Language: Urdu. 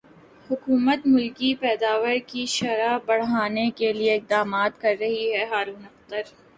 حکومت ملکی پیداوار کی شرح بڑھانے کیلئے اقدامات کر رہی ہےہارون اختر